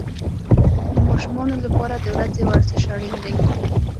د ماشومانو لپاره د ورځې ورزش اړین دی.